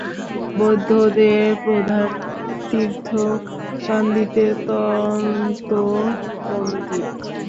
বৌদ্ধদের প্রধান তীর্থ কান্দিতে দন্ত-মন্দির।